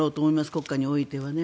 国家においてはね。